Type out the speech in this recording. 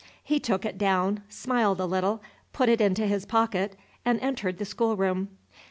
He took it down, smiled a little, put it into his pocket, and entered the schoolroom.